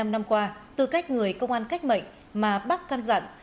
bảy mươi năm năm qua tư cách người công an cách mệnh mà bác căn dặn